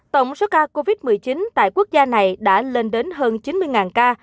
tổng số ca covid một mươi chín tại quốc gia này đã lên đến hơn chín mươi ca